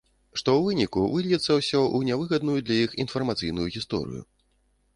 Што ў выніку выльецца ўсё ў нявыгадную для іх інфармацыйную гісторыю.